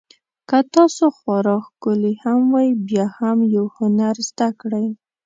که تاسو خورا ښکلي هم وئ بیا هم یو هنر زده کړئ.